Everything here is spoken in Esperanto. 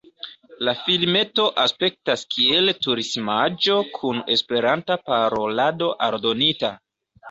La filmeto aspektas kiel turismaĵo kun esperanta parolado aldonita.